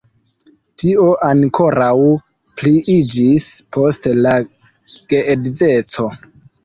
Tio ankoraŭ pliiĝis post la geedzeco.